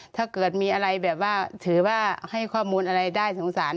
ถ้าเกิดมีอะไรแบบว่าถือว่าให้ข้อมูลอะไรได้สงสาร